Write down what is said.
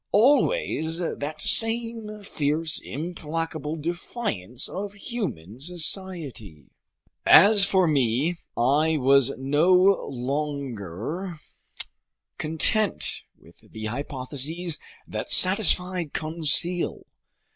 Always that same fierce, implacable defiance of human society! As for me, I was no longer content with the hypotheses that satisfied Conseil.